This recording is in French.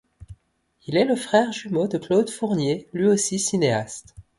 Il est le frère jumeau de Claude Fournier, lui aussi cinéaste.